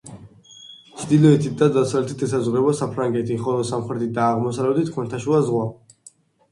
ჩრდილოეთით და დასავლეთით ესაზღვრება საფრანგეთი, ხოლო სამხრეთით და აღმოსავლეთით ხმელთაშუა ზღვა.